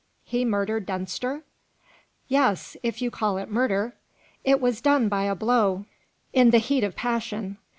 he murdered Dunster?" "Yes. If you call it murder. It was done by a blow, in the heat of passion.